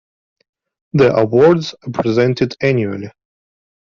The awards are presented annually.